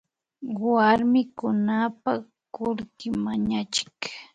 Warmikunapak kullki mañachik